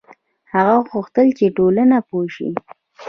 هغه غوښتل چې ټولنه پوه شي.